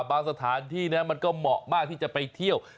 สถานที่นะมันก็เหมาะมากที่จะไปเที่ยว